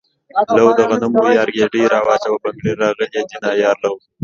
لو ده دغنمو ياره ګيډی را واچوه بنګړي راغلي دينه ياره لو